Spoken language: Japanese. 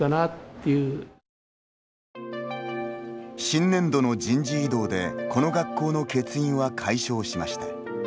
新年度の人事異動でこの学校の欠員は解消しました。